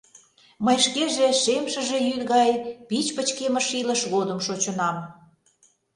Мый шкеже шем шыже йӱд гай пич-пычкемыш илыш годым шочынам.